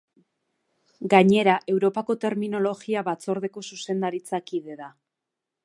Gainera, Europako Terminologia Batzordeko zuzendaritza kide da.